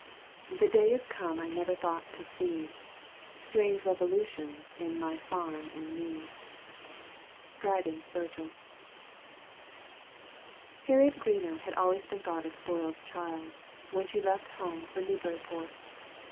"The day is come I never thought to see, Strange revolutions in my farm and me." DRYDEN'S VIRGIL. Harriet Greenough had always been thought a spoiled child, when she left home for Newburyport.